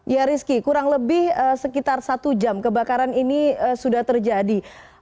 ya rizky kurang lebih sekitar satu jam kebakaran ini sudah terjadi